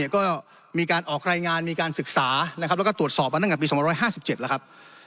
ก็มีการออกรายงานมีการศึกษานะครับแล้วก็ตรวจสอบมาตั้งแต่ปี๒๕๗แล้วครับ